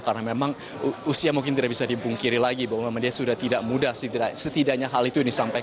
karena memang usia mungkin tidak bisa dibungkiri lagi bahwa dia sudah tidak muda setidaknya hal itu ini